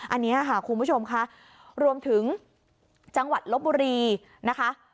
อันนี้ค่ะคุณผู้ชมค่ะรวมถึงจังหวัดลบบุรีนะคะ